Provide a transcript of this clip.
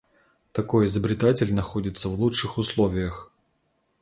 Такой изобретатель находится в лучших условиях.